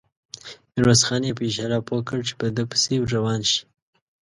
ميرويس خان يې په اشاره پوه کړ چې په ده پسې روان شي.